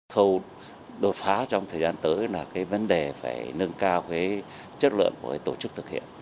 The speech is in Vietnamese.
khâu đột phá trong thời gian tới là cái vấn đề phải nâng cao chất lượng của tổ chức thực hiện